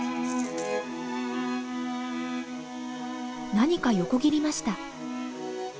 何か横切りました。